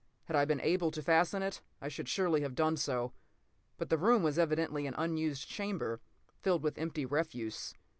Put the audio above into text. Had I been able to fasten it, I should surely have done so; but the room was evidently an unused chamber, filled with empty refuse.